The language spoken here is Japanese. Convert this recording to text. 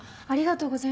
ありがとう。